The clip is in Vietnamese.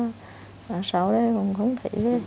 ông đi đâu thì ông cũng không tin